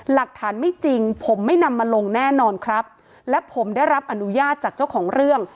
หลักฐานไม่จริงผมไม่นำมาลงแน่นอนครับและผมได้รับอนุญาตจากเจ้าของเรื่อง